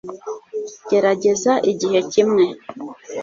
gerageza igihe kimwe